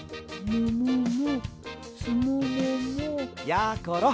やころ！